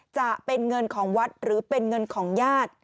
จะเป็นเงินของวัดหรือเป็นเงินของญาติ